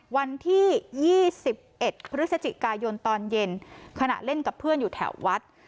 วันที่๒๑พฤศจิกายนตอนเย็นขณะเล่นกับเพื่อนอยู่แถววัด